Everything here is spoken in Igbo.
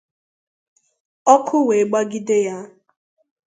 ọkụ wee gbagide ya